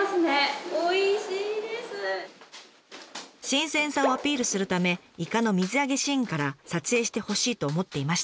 新鮮さをアピールするためイカの水揚げシーンから撮影してほしいと思っていましたが。